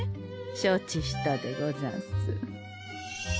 承知したでござんす。